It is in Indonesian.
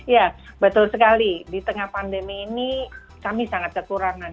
ya betul sekali di tengah pandemi ini kami sangat kekurangan